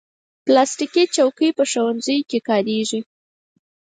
پلاستيکي چوکۍ په ښوونځیو کې کارېږي.